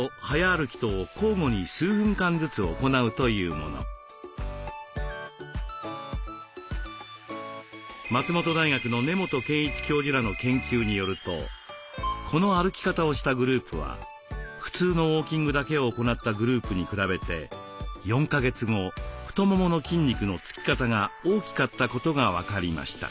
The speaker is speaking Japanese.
そこで田村さんが勧めるのは松本大学の根本賢一教授らの研究によるとこの歩き方をしたグループは普通のウォーキングだけを行ったグループに比べて４か月後太ももの筋肉のつき方が大きかったことが分かりました。